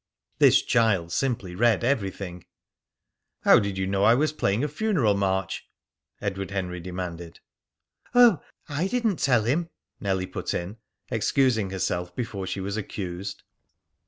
This child simply read everything. "How did you know I was playing a funeral march?" Edward Henry demanded. "Oh, I didn't tell him!" Nellie put in, excusing herself before she was accused.